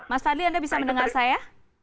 mas fadli anda bisa mendengar saya